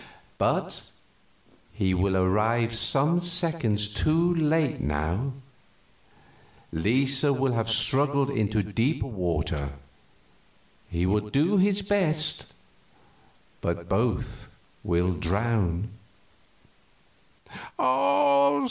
But he will arrive some seconds too late, now; Lisa will have struggled into deeper water. He will do his best, but both will drown."